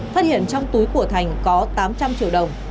phát hiện trong túi của thành có tám trăm linh triệu đồng